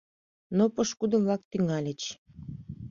Но пошкудо-влак тӱҥальыч